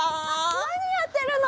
なにやってるの？